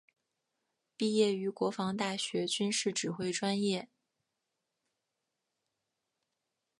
毕业于国防大学军事指挥专业。